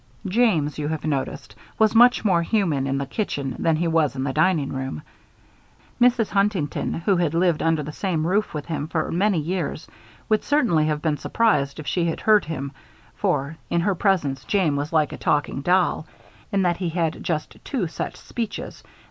'" James, you have noticed, was much more human in the kitchen than he was in the dining room. Mrs. Huntington, who had lived under the same roof with him for many years, would certainly have been surprised if she had heard him, for in her presence James was like a talking doll, in that he had just two set speeches.